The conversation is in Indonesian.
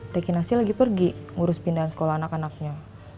teh kirasi lagi pergi ngurus pindahan sekolah anak anaknya